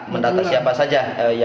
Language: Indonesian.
mendata siapa saja